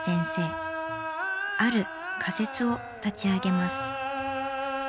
ある仮説を立ち上げます。